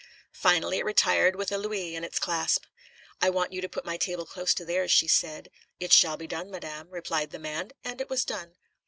Finally, it retired with a louis in its clasp. "I want you to put my table close to theirs," said she. "It shall be done, madame," replied the man; and it was done.